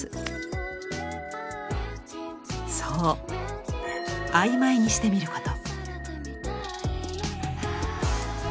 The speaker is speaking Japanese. そう曖昧にしてみること。